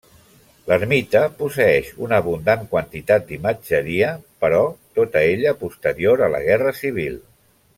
L'ermita posseeix una abundant quantitat d'imatgeria, però tota ella posterior a la Guerra Civil.